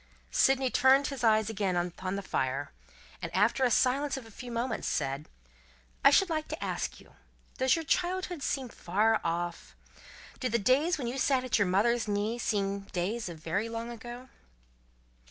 Sydney turned his eyes again upon the fire, and, after a silence of a few moments, said: "I should like to ask you: Does your childhood seem far off? Do the days when you sat at your mother's knee, seem days of very long ago?"